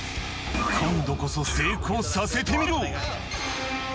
今度こそ成功させてみろ！